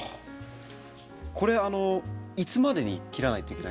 これいつまでに切らないといけないんですか？